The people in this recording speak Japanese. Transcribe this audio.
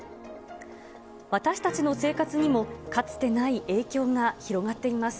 私たちの生活にも、かつてない影響が広がっています。